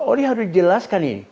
orang harus dijelaskan ini